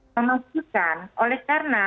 memastikan oleh karena